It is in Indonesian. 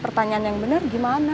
pertanyaan yang bener gimana